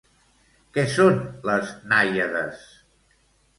Què són les nàiades?